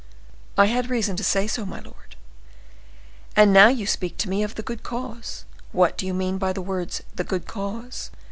"I had reason to say so, my lord." "And now you speak to me of the good cause. What do you mean by the words 'the good cause?